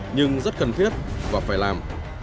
nhưng rất cần thiết và phải làm